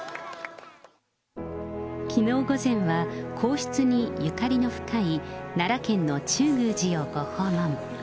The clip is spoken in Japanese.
きのう午前は、皇室にゆかりの深い奈良県の中宮寺をご訪問。